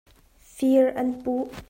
Fir a'n puh.